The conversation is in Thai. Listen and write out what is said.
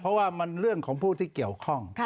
เพราะว่ามันเรื่องของผู้ที่เกี่ยวข้อง